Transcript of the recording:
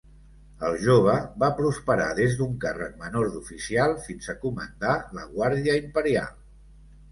El jove va prosperar des d'un càrrec menor d'oficial fins a comandar la guàrdia imperial.